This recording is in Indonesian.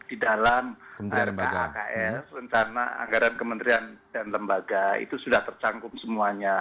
di dalam rkaks rencana anggaran kementerian dan lembaga itu sudah tercangkup semuanya